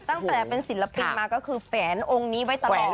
ตั้งแต่เป็นศิลปินมาก็คือแฝนองค์นี้ไว้ตลอด